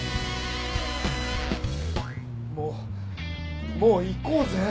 もうもう行こうぜ。